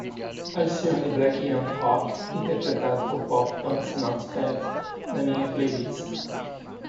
adicione Black Yankee Rock interpretado por Pop Punk's Not Dead na minha playlist